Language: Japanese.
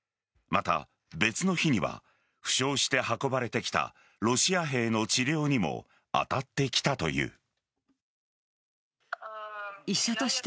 また、別の日には負傷して運ばれてきたロシア兵の治療にも当たってきたという。